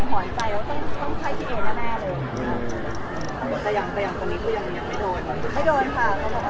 ตอนแรกก็ไม่คิดว่าเป็นคนน่ารัก